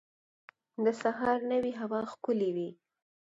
د سهار نوی هوا ښکلی وي.